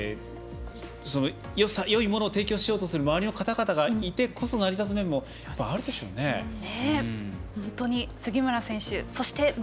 よりよいものを提供しようというメンバーがいてこそ成り立つ面もあるでしょうね。